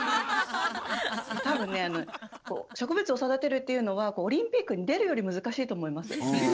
多分ね植物を育てるっていうのはオリンピックに出るより難しいと思います。